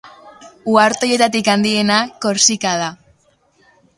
Uharte horietatik handiena Korsika da.